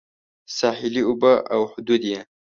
ساحلي اوبه او حدود یې